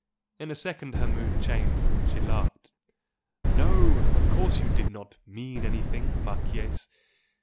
In a second her mood changed, and she laughed. "No! Of course you 'did not mean' anything, Marchese!